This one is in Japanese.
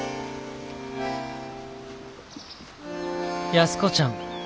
「安子ちゃん。